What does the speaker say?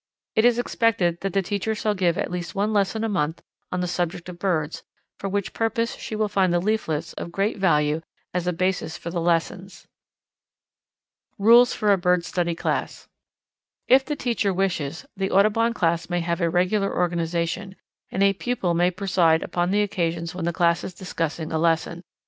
It is expected that the teacher shall give at least one lesson a month on the subject of birds, for which purpose she will find the leaflets of great value as a basis for the lessons. Rules for a Bird Study Class. If the teacher wishes, the Audubon Class may have a regular organization, and a pupil may preside upon the occasions when the class is discussing a lesson.